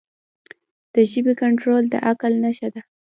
د ژبې کنټرول د عقل نښه ده.